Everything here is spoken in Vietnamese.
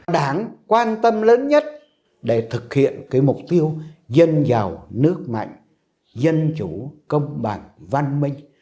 đáng quan tâm lớn nhất để thực hiện mục tiêu dân giàu nước mạnh dân chủ công bằng văn minh